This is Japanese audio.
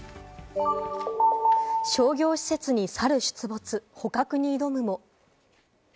商業施設にサル出没、捕獲に挑むも。